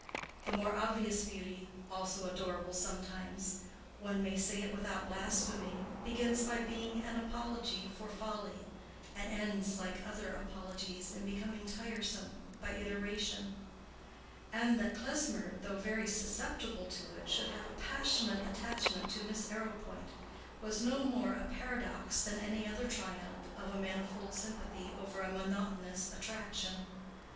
The more obvious beauty, also adorable sometimes—one may say it without blasphemy—begins by being an apology for folly, and ends like other apologies in becoming tiresome by iteration; and that Klesmer, though very susceptible to it, should have a passionate attachment to Miss Arrowpoint, was no more a paradox than any other triumph of a manifold sympathy over a monotonous attraction.